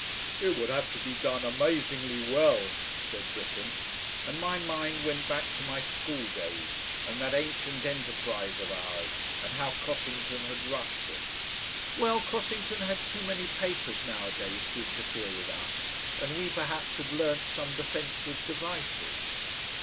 "It would have to be done amazingly well," said Britten, and my mind went back to my school days and that ancient enterprise of ours, and how Cossington had rushed it. Well, Cossington had too many papers nowadays to interfere with us, and we perhaps had learnt some defensive devices.